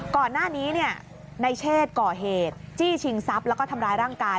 ก่อนหน้านี้ในเชศก่อเหตุจี้ชิงทรัพย์แล้วก็ทำร้ายร่างกาย